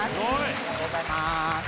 ありがとうございます。